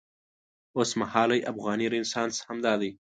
اوسمهالی افغاني رنسانس همدا دی.